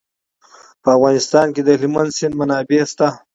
په افغانستان کې د هلمند سیند منابع شته.